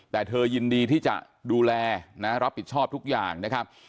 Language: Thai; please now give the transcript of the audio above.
แต่เธอยินดีที่จะดูแลนะรับผิดชอบทุกอย่างนะครับ